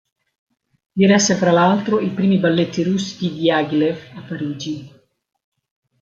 Diresse fra l'altro i primi balletti russi di Djagilev a Parigi.